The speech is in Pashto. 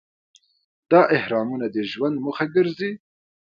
دا اهرامونه د ژوند موخه ګرځي.